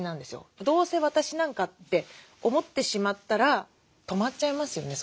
「どうせ私なんか」って思ってしまったら止まっちゃいますよね